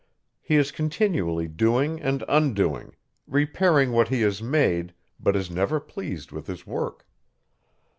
He is continually doing and undoing; repairing what he has made; but is never pleased with his work.